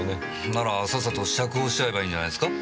ならさっさと釈放しちゃえばいいんじゃないですか？